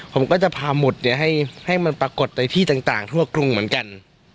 ผมก็จะพาหมุดให้มันปรากฏในที่ต่างทั่วกรุงเหมือนกัน